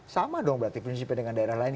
sama dong berarti prinsipnya dengan daerah lain